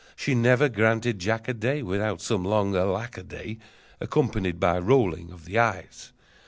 She never granted Jack a day Without some long "Alackaday!" Accompanied by rolling of the eyes.